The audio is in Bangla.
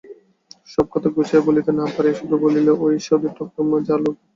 সব কথা গুছাইয়া বলিতে না পারিয়া শুধু বলিল, ওই সখী ঠাকুরমা যা লোক!